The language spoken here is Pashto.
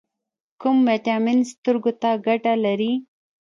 کوم ویټامین سترګو ته ګټه لري؟